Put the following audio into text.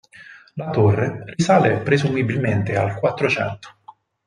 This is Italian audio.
La Torre risale presumibilmente al Quattrocento.